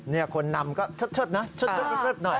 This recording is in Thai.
นี่คนนำก็เชิดนะเชิดหน่อย